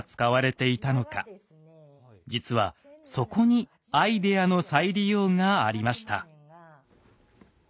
実はそこに「アイデアの再利用」がありました。